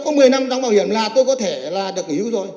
tức là tôi có một mươi năm đóng bảo hiểm là tôi có thể là được hữu rồi